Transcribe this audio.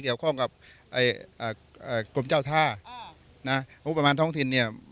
เกี่ยวข้องกับกรมเจ้าท่านะงบประมาณท้องถิ่นเนี่ย